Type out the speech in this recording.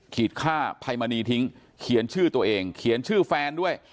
ขีดค่าภัยมณีทิ้งเขียนชื่อตัวเองเขียนชื่อแฟนด้วย